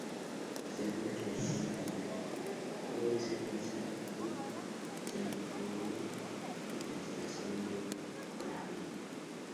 Según el destino final, puede ser necesario un transbordo en la estación de Pravia.